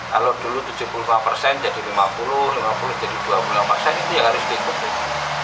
kalau dulu tujuh puluh lima persen jadi lima puluh lima puluh jadi dua puluh lima persen itu yang harus diikuti